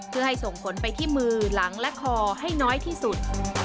เพื่อให้ส่งผลไปที่มือหลังและคอให้น้อยที่สุด